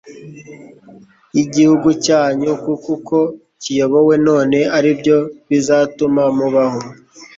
y'igihugu cyanyu kuko uko kiyobowe none ari byo bizatuma mubaho